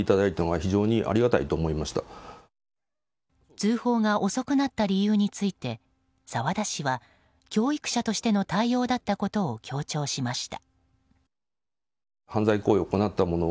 通報が遅くなった理由について沢田氏は教育者としての対応だったことを強調しました。